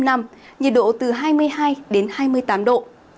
nhiệt độ từ hai mươi hai đến hai mươi tám độ